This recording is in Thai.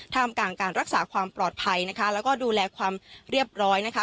ท่ามกลางการรักษาความปลอดภัยนะคะแล้วก็ดูแลความเรียบร้อยนะคะ